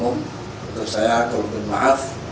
untuk saya mohon maaf